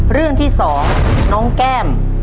เรื่องที่๒น้องแก้ม